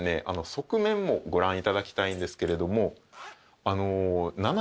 側面もご覧いただきたいんですけれど。